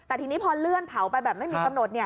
แต่ทีนี้พอเลื่อนเผาไปแบบไม่มีกำหนด